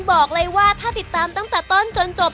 บอกเลยว่าถ้าติดตามตั้งแต่ต้นจนจบ